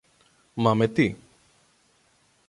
Μα με τι;